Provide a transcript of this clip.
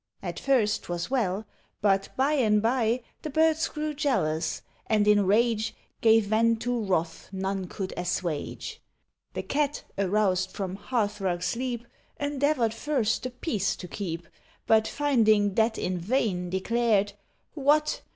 At first 'twas well; but, by and by, The birds grew jealous, and in rage Gave vent to wrath none could assuage. The Cat, aroused from hearth rug sleep, Endeavoured first the peace to keep, But finding that in vain, declared, "What!